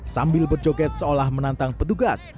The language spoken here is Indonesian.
sambil berjoget seolah menantang petugas